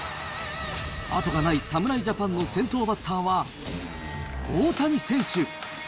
あとがない侍ジャパンの先頭バッターは大谷選手。